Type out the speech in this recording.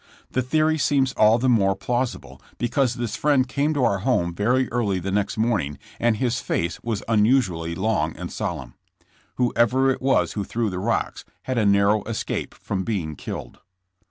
The theory seems all the more plausible because this friend came to our home very early the next morning and his face was unusually long and solemn. Whoever it was who threw the rocks, had a narrow escape from being killed.